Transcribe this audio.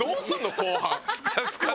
後半。